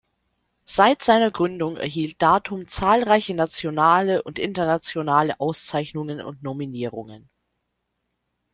Seit seiner Gründung erhielt Datum zahlreiche nationale und internationale Auszeichnungen und Nominierungen.